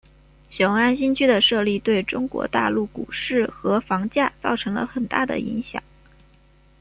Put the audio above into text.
雄安新区的设立对中国大陆股市和房价造成了很大的影响。